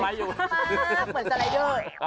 มากเหมือนสไลด์เดิน